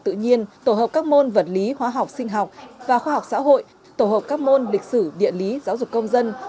tự nhiên tổ hợp các môn vật lý hóa học sinh học và khoa học xã hội tổ hợp các môn lịch sử địa lý giáo dục công dân